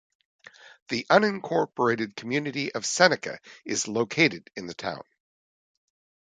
The unincorporated community of Seneca is located in the town.